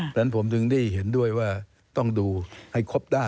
ฉะนั้นผมถึงได้เห็นด้วยว่าต้องดูให้ครบด้าน